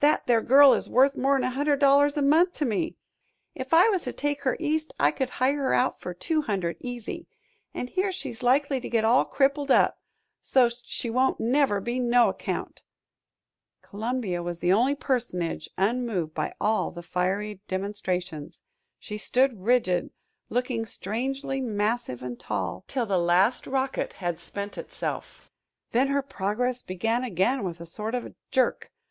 "That there girl is worth more'n a hundred dollars a month to me. If I was to take her East I could hire her out for two hundred, easy, an' here she's likely to get all crippled up, so's't she won't never be no account." Columbia was the only personage unmoved by all the fiery demonstrations; she stood rigid, looking strangely massive and tall, till the last rocket had spent itself. Then her progress began again with a sort of jerk.